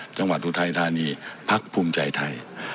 จังหวัดธุ์ไทยธานีพักภูมิใจไทย